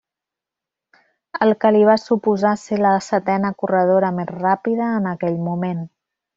El que li va suposar ser la setena corredora més ràpida en aquell moment.